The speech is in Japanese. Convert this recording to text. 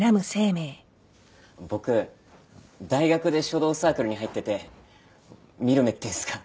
僕大学で書道サークルに入ってて見る目っていうんすか？